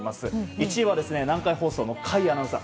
１位は南海放送の甲斐アナウンサー。